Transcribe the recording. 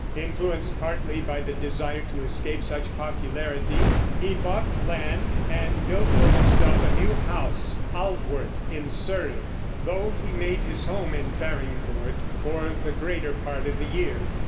Influenced partly by the desire to escape such popularity, he bought land and built for himself a new house, Aldworth, in Surrey, though he made his home in Farringford for the greater part of the year.